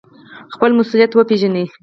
خپل مسوولیت وپیژنئ